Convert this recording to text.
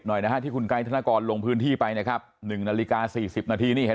หน่อยนะฮะที่คุณไกรธนกรลงพื้นที่ไปนะครับ๑นาฬิกา๔๐นาทีนี่เห็น